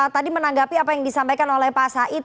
tadi menanggapi apa yang disampaikan oleh pak said